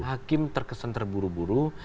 hakim terkesan terburu buru